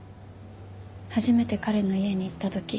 初めて彼の家に行った時。